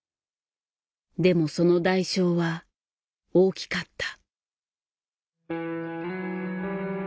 でもその代償は大きかった。